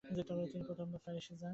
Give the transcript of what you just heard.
তিনি প্রথমবার প্যারিসে যান।